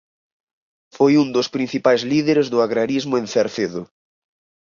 Foi un dos principais líderes do agrarismo en Cerdedo.